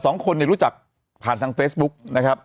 สองคนเนี่ยรู้จักผ่านทางเฟซบุ๊กนะครับ